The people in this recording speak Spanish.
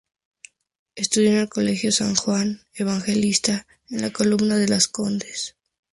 Estudió en el Colegio San Juan Evangelista, en la comuna de Las Condes.